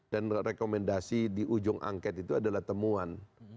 dan rekomendasi di ujung angket itu adalah temuan